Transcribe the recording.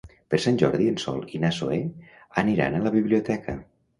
Per Sant Jordi en Sol i na Zoè aniran a la biblioteca.